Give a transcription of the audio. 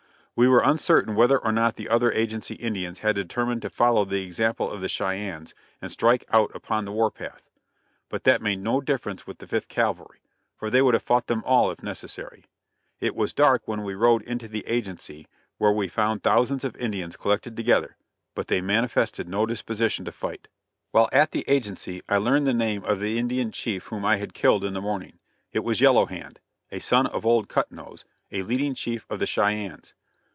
We were uncertain whether or not the other agency Indians had determined to follow the example of the Cheyennes and strike out upon the war path; but that made no difference with the Fifth Cavalry, for they would have fought them all if necessary. It was dark when we rode into the agency, where we found thousands of Indians collected together; but they manifested no disposition to fight. [Illustration: A DUEL WITH CHIEF YELLOW HAND.] While at the agency I learned the name of the Indian Chief whom I had killed in the morning; it was Yellow Hand; a son of old Cut nose a leading chief of the Cheyennes.